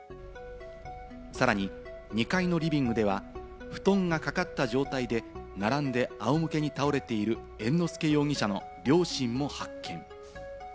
さらに２階のリビングでは、布団がかかった状態で並んであおむけに倒れている猿之助容疑者の両親も発見。